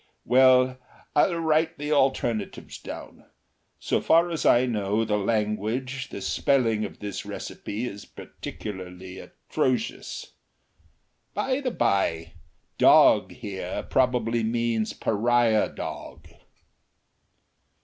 H'm. Well, I'll write the alternatives down. So far as I know the language, the spelling of this recipe is particularly atrocious. By the bye, dog here probably means pariah dog."